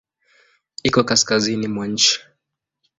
Iko kaskazini mwa nchi.